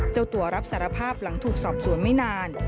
เจ้าตัวรับสารภาพหลังถูกสอบสวนไม่นาน